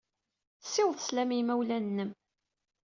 Ssiweḍ sslam i yimawlan-nnem.